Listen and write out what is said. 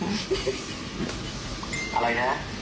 อะไรนะ